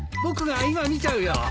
僕が今見ちゃうよ。